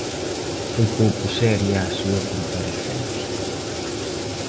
Foi pouco seria a súa comparecencia.